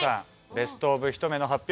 ベスト・オブ・ひと目の発表